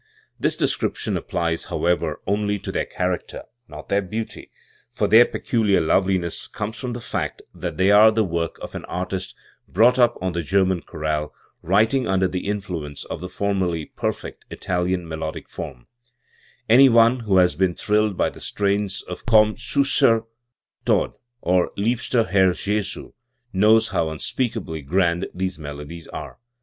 This description applies, however, only to their character, not their beauty; for their peculiar love liness comes from the fact that they are the work of an artist brought up on the German chorale, writing under the influence of the formally perfect Italian melodic form, Any one who has been thrilled by the strains of u Komm siiBer Tod" or "Liebster Herr Jesu" knows how unspeakably grand these melodies are*.